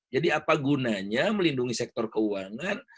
jadi apa gunanya melindungi sektor keuangan